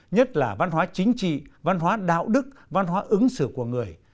nhất là văn hóa chính trị văn hóa đạo đức văn hóa ứng xử của người